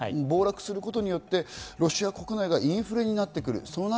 暴落することによってロシア国内がインフレになってくる。